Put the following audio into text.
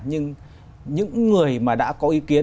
nhưng những người mà đã có ý kiến